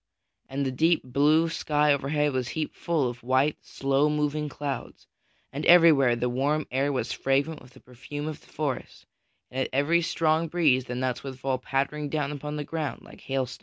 And the deep blue sky overhead was heaped full of white, slow moving clouds, and everywhere the warm air was fragrant with the perfume of the forest, and at every strong breeze the nuts would fall pattering down upon the ground like hailstones.